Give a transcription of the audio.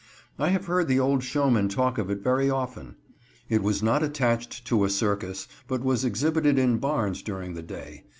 I have heard the old showmen talk of it very often. It was not attached to a circus, but was exhibited in barns during the day.